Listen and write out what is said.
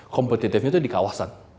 kompetitifnya itu di kawasan